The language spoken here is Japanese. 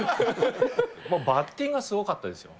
バッティングはすごかったですよ。